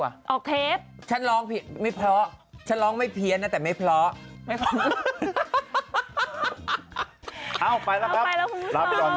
เลิกคุยทั้งคำเพลิงเพื่อเธอคนเดียวโอเคหลังมากเลยพอเพลงหนึ่งมานี่ตุ้มเลย